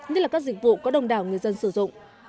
như là các dịch vụ có đông đảo người dân sử dụng